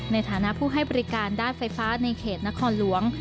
ในฐานะผู้ให้บริการด้านไฟฟ้าในเขตนครหลวง